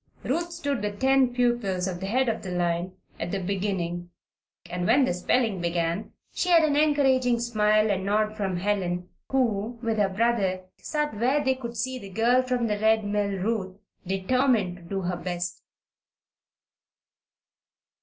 Ruth stood within ten pupils of the head of the line at the beginning and when the spelling began she had an encouraging smile and nod from Helen, who, with her brother, sat where they could see the girl from the Red Mill Ruth determined to do her best.